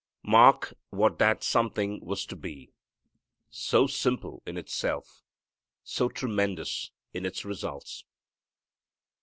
Mark what that something was to be: so simple in itself, so tremendous in its results.